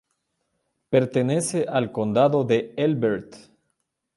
Pertenece al condado de Elbert.